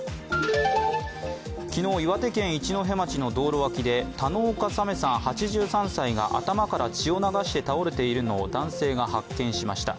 昨日、岩手県一戸町の道路脇で田之岡サメさん８３歳が頭から血を流して倒れているのを男性が発見しました。